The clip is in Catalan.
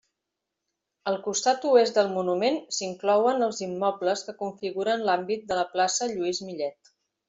Al costat oest del monument s'inclouen els immobles que configuren l'àmbit de la plaça Lluís Millet.